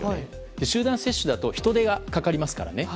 集団接種だと人手がかかりますからね。